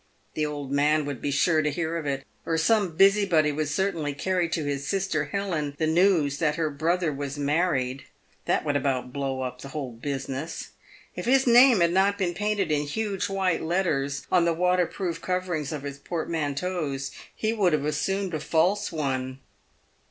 The old man would be sure to hear of it, or some busy body would certainly carry to his sister Helen the news that her brother was married. That would about blow up the whole business. If his name had not been painted in huge white letters on the waterproof coverings of his portmanteaus, he would have assumed a false one.